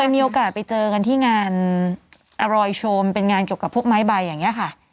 มีโอกาสไปเจอกันที่งานอร่อยโชมเป็นงานเกี่ยวกับพวกไม้ใบอย่างนี้ค่ะ